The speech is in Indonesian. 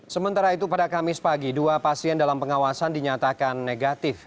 sementara itu pada kamis pagi dua pasien dalam pengawasan dinyatakan negatif